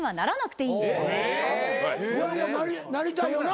いやいやなりたいよな？